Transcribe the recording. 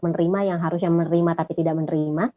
menerima yang harusnya menerima tapi tidak menerima